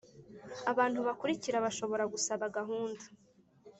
Abantu bakurikira bashobora gusaba gahunda